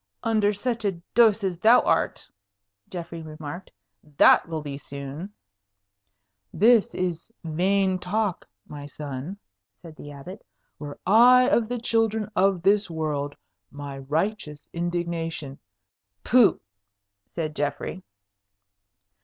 "Under such a dose as thou art," Geoffrey remarked, "that will be soon." "This is vain talk, my son," said the Abbot. "Were I of the children of this world, my righteous indignation " "Pooh!" said Geoffrey.